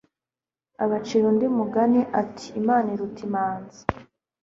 abacira undi mugani ati imana iruta imanzi